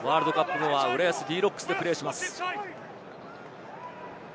ワールドカップ後は、浦安Ｄ−Ｒｏｃｋｓでプレーします。